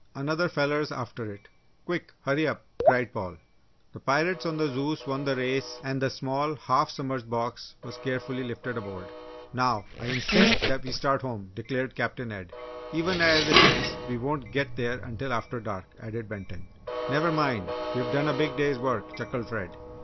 "Another feller's after it quick hurry up!" cried Paul. The pirates on the Zeus won the race and the small half submerged box was carefully lifted aboard. "Now, I insist that we start home!" declared Captain Ed. "Even as it is we won't get there until after dark!" added Benton. "Never mind, we've done a big day's work!" chuckled Fred.